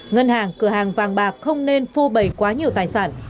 ngân hàng cửa hàng vàng bạc không nên phô bầy quá nhiều tài sản